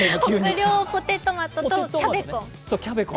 北稜ポテトマトとキャベコン。